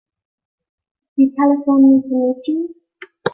You telephoned me to meet you.